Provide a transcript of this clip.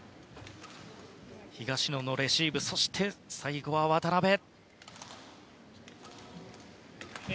東野のレシーブそして、最後は渡辺。